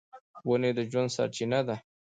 ونې د ژوند سرچینه ده.